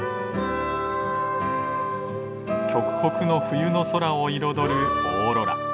極北の冬の空を彩るオーロラ。